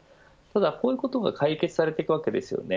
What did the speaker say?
ただ、こういうことが解決されていくわけですよね。